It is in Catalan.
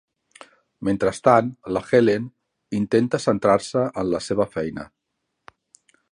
Mentrestant, la Helen intenta centrar-se en la seva feina.